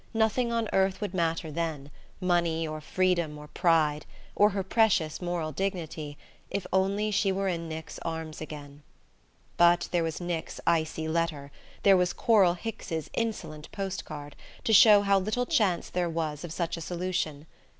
Nothing on earth would matter then money or freedom or pride, or her precious moral dignity, if only she were in Nick's arms again! But there was Nick's icy letter, there was Coral Hicks's insolent post card, to show how little chance there was of such a solution.